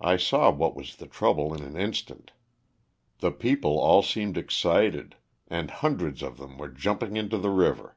I saw what was the trouble in an instant. The people all seemed excited and hundreds of them were jumping into the river.